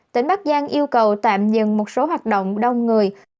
tỉnh bắc giang yêu cầu tạm dừng một số hoạt động đông người